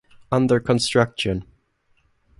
Under construction